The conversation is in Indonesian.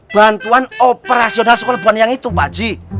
bantuan operasional sekolah buan yang itu pak haji